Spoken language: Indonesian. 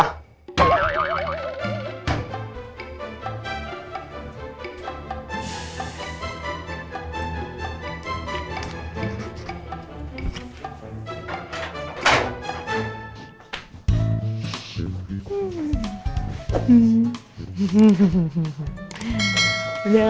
kau masih denger tau mas